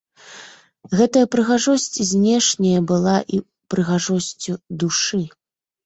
Гэтая прыгажосць знешняя была і прыгажосцю душы.